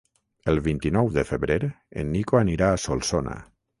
El vint-i-nou de febrer en Nico anirà a Solsona.